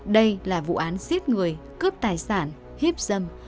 đây là vụ án giết người cướp tài sản hiếp dâm